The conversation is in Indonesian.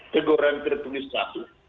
teguran tertulis satu